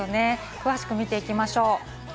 詳しくみていきましょう。